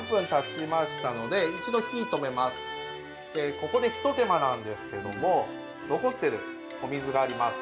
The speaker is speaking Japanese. ここで一手間なんですけども残っているお水があります。